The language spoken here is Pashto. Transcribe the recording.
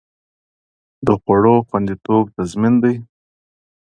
د خوړو خوندیتوب تضمین دی؟